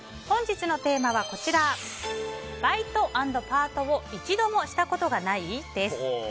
本日のテーマはバイト＆パートを一度もしたことがない？です。